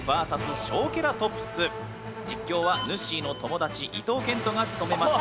実況はぬっしーの友達伊東健人が務めます。